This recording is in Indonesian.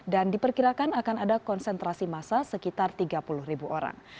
dan diperkirakan akan ada konsentrasi massa sekitar tiga puluh orang